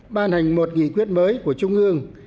ban hành một nghị quyết mới của trung ương